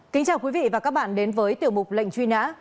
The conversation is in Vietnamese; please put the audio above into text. kính chào quý vị và các bạn đến với tiểu mục lệnh truy nã